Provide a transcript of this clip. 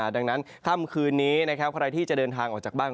ดังนั้นค่ำคืนนี้ใครที่จะเดินทางออกจากบ้าน